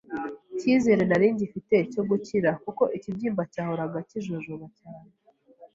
kizere nari ngifite cyo gukira kuko ikibyimba cyahoraga kijojoba cyane,